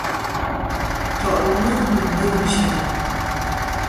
To’ni ni ngeng zya.